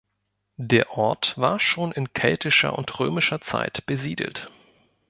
Der Ort war schon in keltischer und römischer Zeit besiedelt.